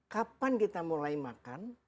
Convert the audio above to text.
kapan kita mulai makan